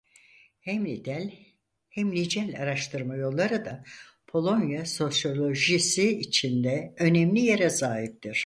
Hem nitel hem nicel araştırma yolları da Polonya sosyolojisi içinde önemli yere sahiptir.